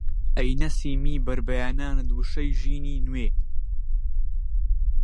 ئەی نەسیمی بەربەیانانت وشەی ژینی نوێ!